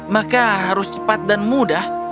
maka harus cepat dan mudah